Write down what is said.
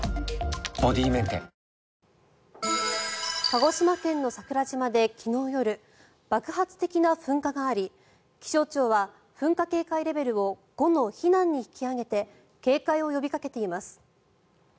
鹿児島県の桜島で昨日夜、爆発的な噴火があり気象庁は噴火警戒レベルを５の避難に引き上げて警戒を呼びかけています。